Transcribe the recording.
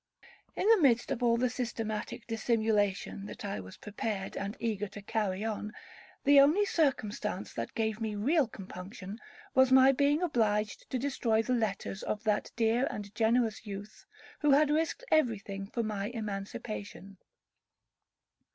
In the midst of all the systematic dissimulation that I was prepared and eager to carry on, the only circumstance that gave me real compunction, was my being obliged to destroy the letters of that dear and generous youth who had risked every thing for my emancipation.